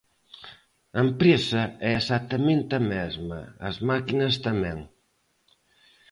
A empresa é exactamente a mesma, as máquinas tamén.